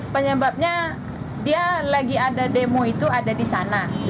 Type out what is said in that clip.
penyebabnya dia lagi ada demo itu ada di sana